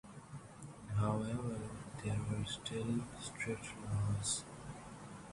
However, there were still strict laws.